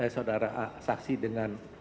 saudara saksi dengan